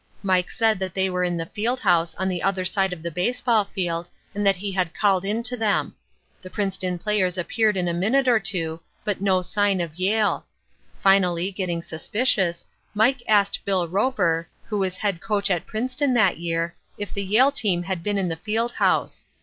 Mike said that they were in the Field House on the other side of the baseball field and that he had called in to them. The Princeton players appeared in a minute or two, but no sign of Yale. Finally, getting suspicious, Mike asked Bill Roper, who was head coach at Princeton that year, if the Yale team had been in the Field House.